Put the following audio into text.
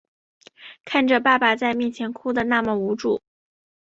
看着爸爸在面前哭的那么无助